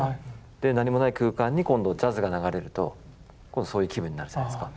で何もない空間に今度ジャズが流れると今度そういう気分になるじゃないですか。